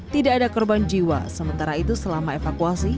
tidak ada korban jiwa sementara itu selama evakuasi